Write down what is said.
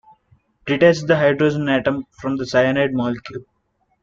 Detach the hydrogen atom from the cyanide molecule.